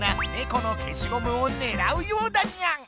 このけしゴムをねらうようだニャン！